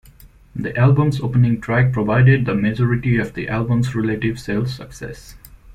The album's opening track provided the majority of the album's relative sales success.